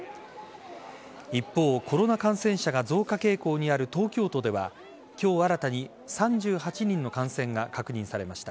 一方コロナ感染者が増加傾向にある東京都では今日新たに３８人の感染が確認されました。